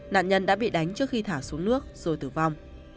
nạn nhân đã bị đánh trước khi thả xuống nước rồi tử vong